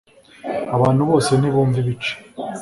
abantu bose ntibumva ibice